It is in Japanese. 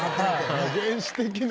原始的な。